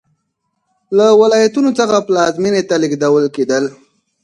له ولایتونو څخه پلازمېنې ته لېږدول کېدل